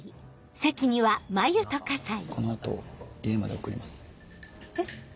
この後家まで送りますえっ